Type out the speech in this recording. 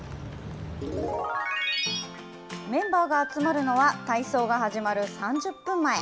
メンバーが集まるのは、体操が始まる３０分前。